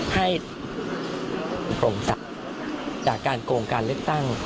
ให้โปร่งตัดจากการโกงการเลือกตั้ง